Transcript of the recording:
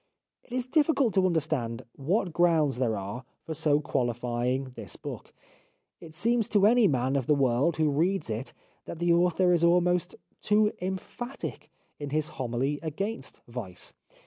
It is difficult to understand what grounds there are for so qualifying this book. It seems to any man of the world who reads it that the author is almost too emphatic in his homily against vice.